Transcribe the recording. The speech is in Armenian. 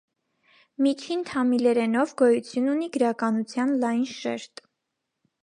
Միջին թամիլերենով գոյություն ունի գրականության լայն շերտ։